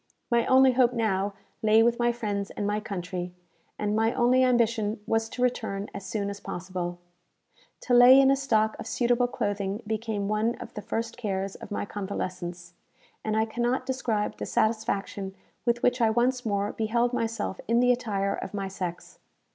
My only hope now lay with my friends and my country, and my only ambition was to return as soon as possible. To lay in a stock of suitable clothing became one of the first cares of my convalescence; and I cannot describe the satisfaction with which I once more beheld myself in the attire of my sex.